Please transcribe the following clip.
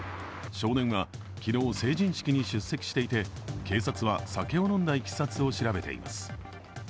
少年は昨日、成人式に出席していて警察は酒を飲んだいきさつを調べています。